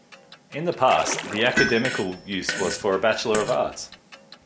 In the past, the academical use was for a Bachelor of Arts.